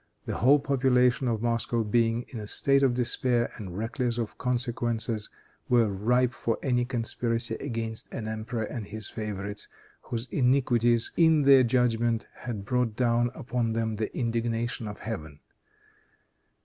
The whole population of Moscow, being in a state of despair, and reckless of consequences, were ripe for any conspiracy against an emperor and his favorites, whose iniquities, in their judgment, had brought down upon them the indignation of Heaven.